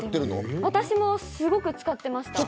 私もすごく使ってました。